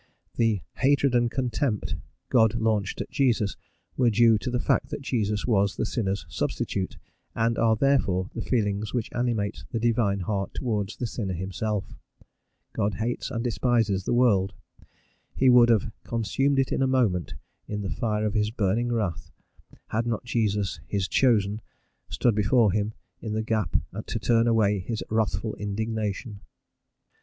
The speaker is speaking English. The "hatred and contempt" God launched at Jesus were due to the fact that Jesus was the sinner's substitute, and are therefore the feelings which animate the Divine heart towards the sinner himself. God hates and despises the world. He would have "consumed it in a moment" in the fire of his burning wrath, had not Jesus, "his chosen, stood before him in the gap to turn away his wrathful indignation."